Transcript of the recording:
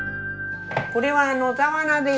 これは野沢菜です。